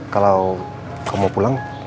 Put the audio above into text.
kalau kamu mau pulang